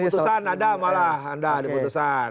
dimutusan ada malah anda dimutusan